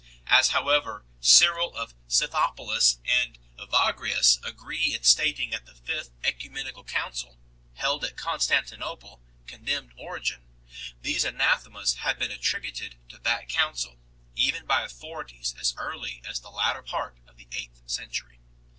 As however Cyril of Scythopolis and Evagrius agree in stating that the Fifth CEcumenical Council, held at Constantinople, condemned Origen, these anathemas have been attributed to that council, even by authorities as early as the latter part of the eighth century.